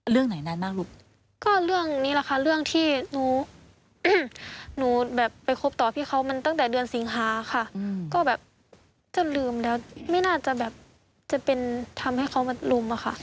เรื่องไหนนานมากลูกก็เรื่องนี้แหละค่ะเรื่องที่หนูหนูแบบไปคบต่อพี่เขามันตั้งแต่เดือนสิงหาค่ะก็แบบจะลืมแล้วไม่น่าจะแบบจะเป็นทำให้เขามารุมอะค่ะ